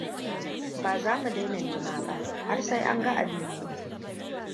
Ba za mu daina nema ba, har sai anga Aliko.